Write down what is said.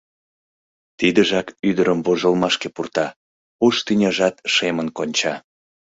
Тидыжак ӱдырым вожылмашке пурта, ош тӱняжат шемын конча.